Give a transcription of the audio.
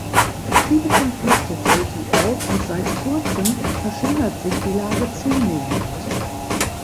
Viele Konflikte treten auf, und seit Kurzem verschlimmert sich die Lage zunehmend.